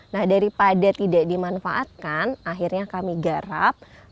nah daripada tidak dimanfaatkan akhirnya kami garap